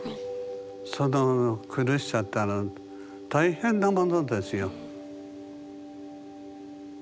その苦しさったら大変なものですよ。